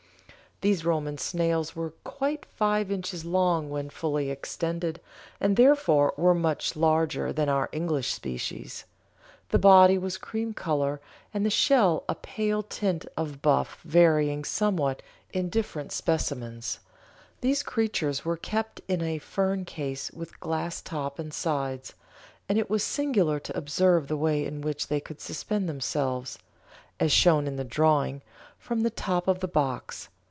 These Roman snails were quite five inches long when fully extended, and therefore were much larger than our English species; the body was cream colour and the shell a pale tint of buff varying somewhat in different specimens. These creatures were kept in a fern case with glass top and sides, and it was singular to observe the way in which they could suspend themselves (as shown in the drawing) from the top of the box.